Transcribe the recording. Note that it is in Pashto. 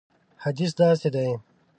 حدیث داسې دی.